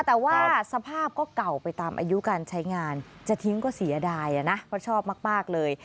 แต่ว่าสภาพก็เก่าไปตามอายุการใช้งานจะทิ้งก็เสียดายนะเพราะชอบมากเลย